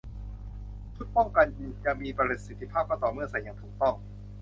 ชุดป้องกันจะมีประสิทธิภาพก็ต่อเมื่อใส่อย่างถูกต้อง